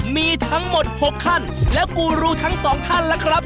มีทั้งหมด๖ขั้นแล้วกูรูทั้งสองท่านล่ะครับ